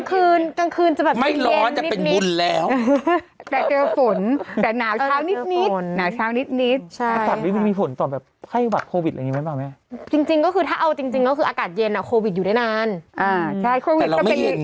กลางคืนจะแบบเย็นเย็นนิดนิด